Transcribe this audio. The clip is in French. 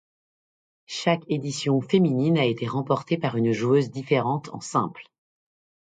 Chaque édition féminine a été remportée par une joueuse différente en simple.